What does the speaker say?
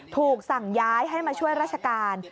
ถูกสั่งย้ายให้มาช่วยราชการ